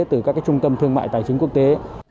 từ các trung tâm thương mại tài chính quốc tế